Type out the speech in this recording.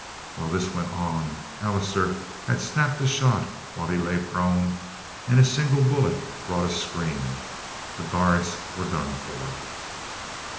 While this went on Allister had snapped a shot, while he still lay prone, and his single bullet brought a scream. The guards were done for.